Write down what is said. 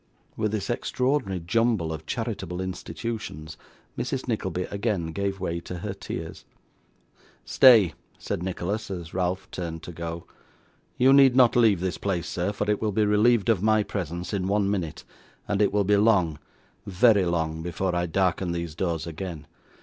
With this extraordinary jumble of charitable institutions, Mrs. Nickleby again gave way to her tears. 'Stay,' said Nicholas, as Ralph turned to go. 'You need not leave this place, sir, for it will be relieved of my presence in one minute, and it will be long, very long, before I darken these doors again.